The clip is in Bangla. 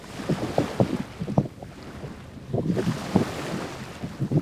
মাথার কাপড়, কোলের শিশু, ঘরকন্নার কাজ কিছুই সে সামলাইতে পারিত না।